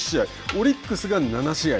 オリックスが７試合。